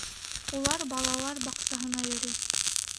Урал балалар баҡсаһына йөрөй